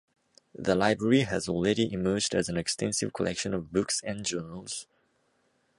The library has already emerged as an extensive collection of books and journals.